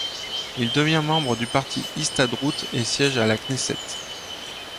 Il devient membre du parti Histadrout et siège à la Knesset.